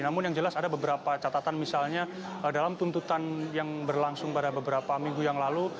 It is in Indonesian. namun yang jelas ada beberapa catatan misalnya dalam tuntutan yang berlangsung pada beberapa minggu yang lalu